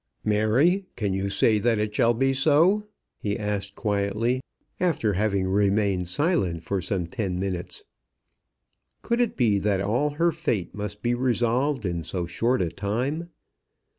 "Mary, can you say that it shall be so?" he asked quietly, after having remained silent for some ten minutes. Could it be that all her fate must be resolved in so short a time?